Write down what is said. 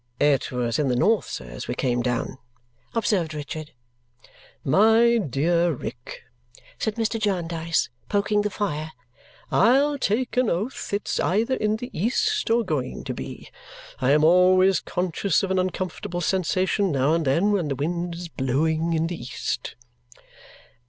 "It was in the north, sir, as we came down," observed Richard. "My dear Rick," said Mr. Jarndyce, poking the fire, "I'll take an oath it's either in the east or going to be. I am always conscious of an uncomfortable sensation now and then when the wind is blowing in the east."